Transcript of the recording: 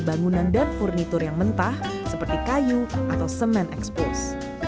dan peralatan perangkat dan peralatan perangkat yang mentah seperti kayu atau semen ekspos